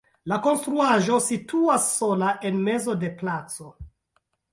La konstruaĵo situas sola en mezo de placo.